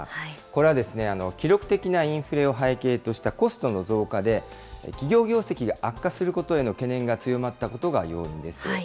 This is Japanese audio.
これは記録的なインフレを背景としたコストの増加で、企業業績が悪化することへの懸念が強まったことが要因です。